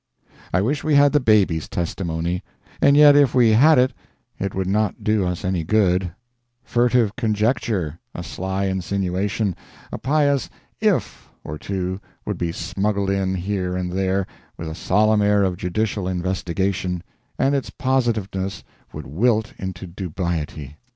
I wish we had the baby's testimony; and yet if we had it it would not do us any good a furtive conjecture, a sly insinuation, a pious "if" or two, would be smuggled in, here and there, with a solemn air of judicial investigation, and its positiveness would wilt into dubiety.